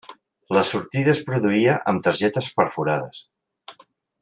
La sortida es produïa amb targetes perforades.